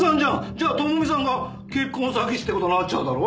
じゃあ朋美さんが結婚詐欺師って事になっちゃうだろ？